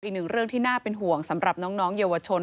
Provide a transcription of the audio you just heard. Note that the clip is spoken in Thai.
อีกหนึ่งเรื่องที่น่าเป็นห่วงสำหรับน้องเยาวชน